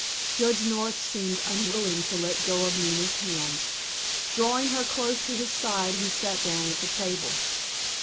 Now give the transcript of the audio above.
Judge North seemed unwilling to let go of Nina's hand. Drawing her close to his side he sat down at the table.